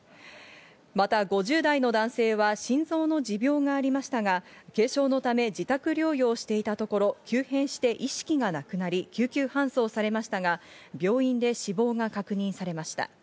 また、５０代の男性は心臓の持病がありましたが、軽症のため自宅療養していたところ、急変して意識がなくなり救急搬送されましたが、病院で死亡が確認されました。